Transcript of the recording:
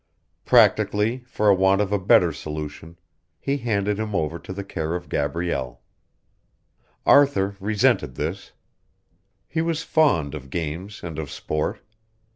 Practically for want of a better solution he handed him over to the care of Gabrielle. Arthur resented this. He was fond of games and of sport.